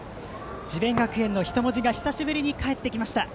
智弁学園の人文字が久しぶりに帰ってきました。